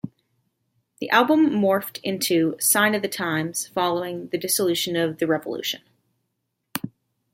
The album morphed into "Sign o' the Times" following the dissolution of The Revolution.